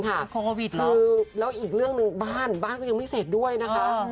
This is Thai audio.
โควิดคือแล้วอีกเรื่องหนึ่งบ้านบ้านก็ยังไม่เสร็จด้วยนะคะ